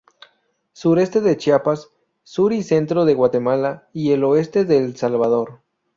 Sureste de Chiapas, sur y centro de Guatemala y el oeste de El Salvador.